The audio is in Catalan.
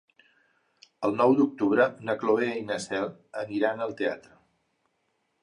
El nou d'octubre na Cloè i na Cel aniran al teatre.